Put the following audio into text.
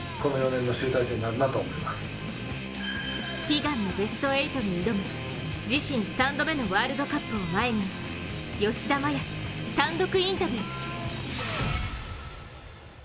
悲願のベスト８に挑む自身３度目のワールドカップを前に吉田麻也単独インタビュー。